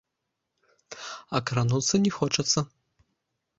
А крануцца не хочацца.